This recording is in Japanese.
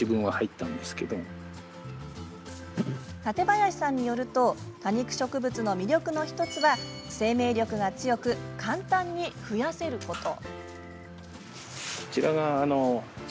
舘林さんによると多肉植物の魅力の１つは生命力が強く簡単に増やせること。